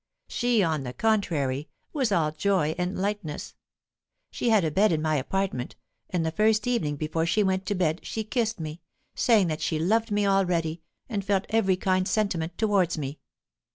She, on the contrary, was all joy and lightness. She had a bed in my apartment; and the first evening before she went to bed she kissed me, saying that she loved me already, and felt every kind sentiment towards me.